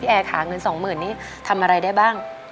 แอร์ค่ะเงิน๒๐๐๐นี้ทำอะไรได้บ้าง